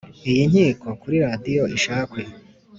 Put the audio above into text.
iyi nkiko kuri radio ishakwe.